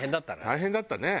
大変だったね。